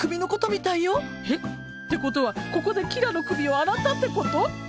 えっ！ってことはここで吉良の首を洗ったってこと？